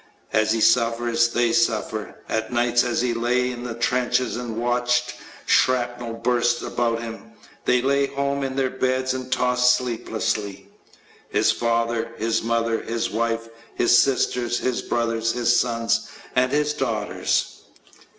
As he suffers, they suffer. At nights, as he lay in the trenches and watched shrapnel burst about him, they lay home in their beds and tossed sleeplessly his father, his mother, his wife, his sisters, his brothers, his sons, and his daughters.